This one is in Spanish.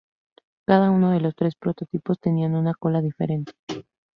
Cada uno de los tres prototipos tenía una cola diferente.